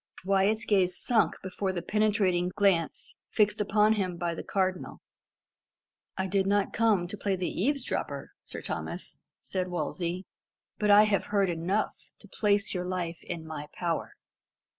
Wyat's gaze sunk before the penetrating glance fixed upon him by the Cardinal. "I did not come to play the eavesdropper, Sir Thomas," said Wolsey; "but I have heard enough to place your life in my power.